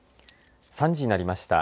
３時になりました。